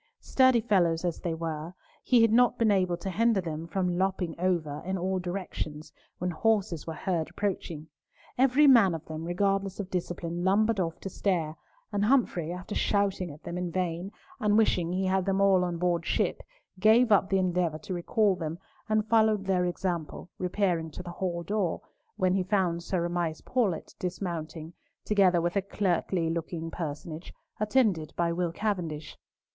Sturdy fellows as they were, he had not been able to hinder them from lopping over in all directions, when horses were heard approaching. Every man of them, regardless of discipline, lumbered off to stare, and Humfrey, after shouting at them in vain, and wishing he had them all on board ship, gave up the endeavour to recall them, and followed their example, repairing to the hall door, when he found Sir Amias Paulett dismounting, together with a clerkly looking personage, attended by Will Cavendish.